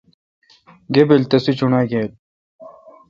گیبل تسے چوݨاگیل ۔